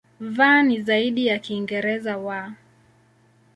V ni zaidi ya Kiingereza "w".